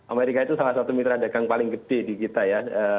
amerika itu salah satu mitra dagang paling gede di kita ya